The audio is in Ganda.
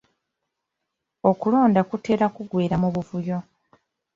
Okulonda kuteera kuggwera mu buvuyo.